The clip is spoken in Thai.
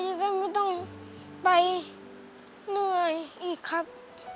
จะได้ไม่ต้องไปเหนื่อยอีกครับ